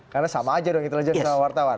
karena sama aja dong intelijen sama wartawan